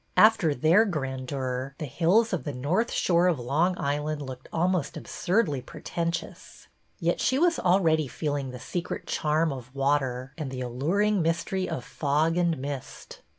After their grandeur, the hills of the north shore of Long Island looked almost ab surdly pretentious. Yet she was already feeling the secret charm of water and the alluring mys tery of fog and mist.